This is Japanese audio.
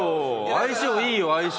相性いいよ相性。